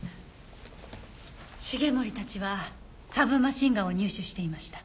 繁森たちはサブマシンガンを入手していました。